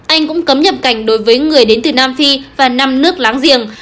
anh cũng cấm nhập cảnh đối với người đến từ nam phi và năm nước láng giềng